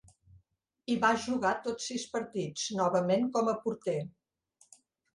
Hi va jugar tots sis partits, novament com a porter.